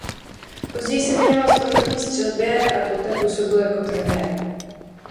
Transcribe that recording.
Později se věnoval sportovní střelbě a poté působil jako trenér.